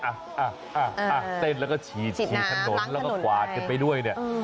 อ่ะเต้นแล้วก็ฉีดถนนแล้วก็กวาดกันไปด้วยเนี่ย